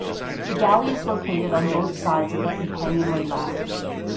The galley is located on both sides of the companionway ladder.